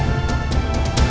aku akan mencari cherry